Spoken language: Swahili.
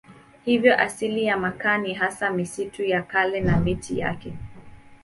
Hivyo asili ya makaa ni hasa misitu ya kale na miti yake.